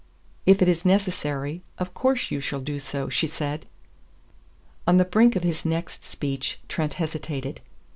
"If it is necessary, of course you shall do so," she said. On the brink of his next speech Trent hesitated.